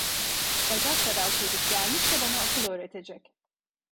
Bacak kadar çocuk gelmiş de bana akıl öğretecek.